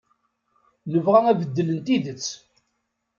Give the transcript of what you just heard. Nebɣa abeddel n tidet.